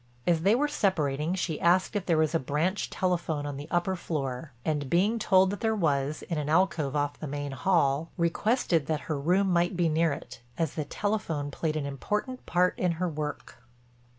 As they were separating she asked if there was a branch telephone on the upper floor and, being told that there was in an alcove off the main hall, requested that her room might be near it as the telephone played an important part in her work.